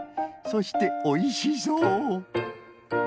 そしておいしそう。